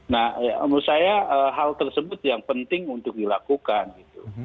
nah menurut saya hal tersebut yang penting untuk dilakukan gitu